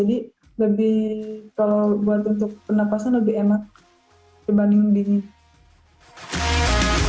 jadi kalau buat untuk penapasan lebih enak dibanding dingin